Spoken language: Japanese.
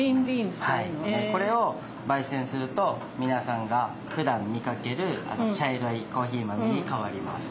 これを焙煎すると皆さんがふだん見かける茶色いコーヒー豆に変わります。